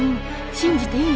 信じていい？